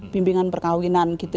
bimbingan perkawinan gitu